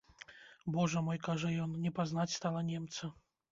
Божа мой, кажа ён, не пазнаць стала немца.